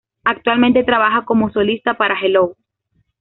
Actualmente trabaja como solista para Hello!